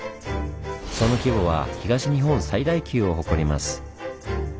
その規模は東日本最大級を誇ります。